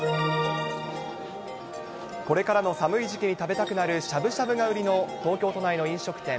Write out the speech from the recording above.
これからの寒い時期に食べたくなるしゃぶしゃぶが売りの東京都内